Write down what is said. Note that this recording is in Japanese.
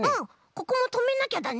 ここもとめなきゃだね。